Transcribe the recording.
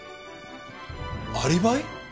アリバイ？